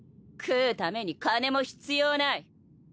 食うために金も必要ない。